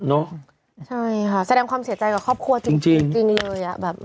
ใช่ค่ะแสดงความเสียใจกับครอบครัวจริงเลย